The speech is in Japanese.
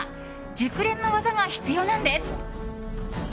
熟練の技が必要なんです。